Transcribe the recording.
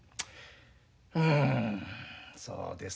うんそうですか。